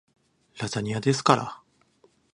ラザニアですから